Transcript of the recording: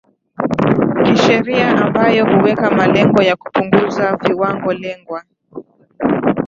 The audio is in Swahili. kisheria ambayo huweka malengo ya kupunguza viwango lengwa